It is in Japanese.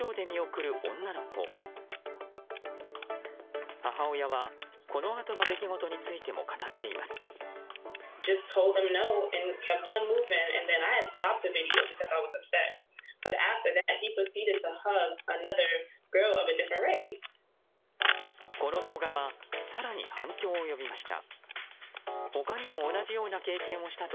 この動画は更に反響を呼びました。